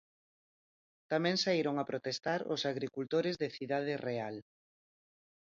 Tamén saíron a protestar os agricultores de Cidade Real.